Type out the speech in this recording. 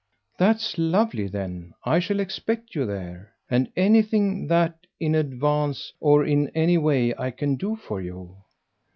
"That's lovely then. I shall expect you there. And anything that, in advance or in any way, I can do for you